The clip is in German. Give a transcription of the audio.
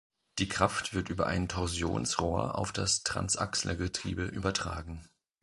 Die Kraft wird über ein Torsionsrohr auf das Transaxle-Getriebe übertragen.